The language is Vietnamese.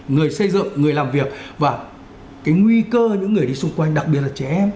người xây dựng người làm việc và cái nguy cơ những người đi xung quanh đặc biệt là trẻ em